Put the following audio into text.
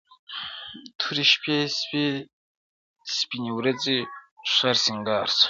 توري شپې سوې سپیني ورځي ښار سینګار سو.!